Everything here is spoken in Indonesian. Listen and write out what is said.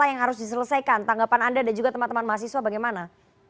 apa yang harus diselesaikan tanggapan anda dan juga teman teman mahasiswa bagaimana